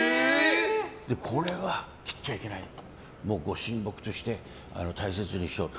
これは切っちゃいけないと思ってご神木として大切にしようと。